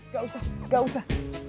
gak usah gak usah